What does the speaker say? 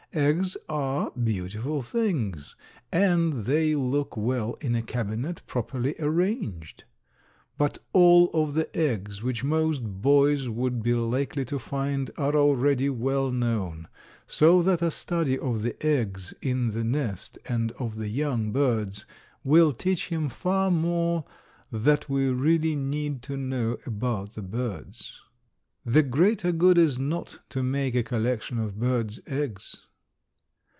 Eggs are beautiful things, and they look well in a cabinet properly arranged. But all of the eggs which most boys would be likely to find are already well known, so that a study of the eggs in the nest and of the young birds will teach him far more that we really need to know about the birds. The greater good is not to make a collection of birds' eggs.